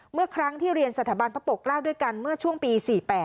เมื่อครั้งที่เรียนสถาบันพระปกเกล้าด้วยกันเมื่อช่วงปี๔๘